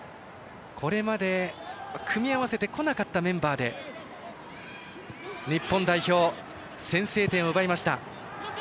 これまで組み合わせてこなかったメンバーで日本代表先制点を奪いました。